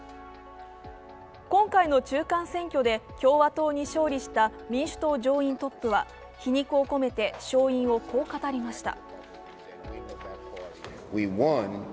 今回の中間選挙で、共和党に勝利した民主党上院トップは皮肉を込めて勝因をこう語りました。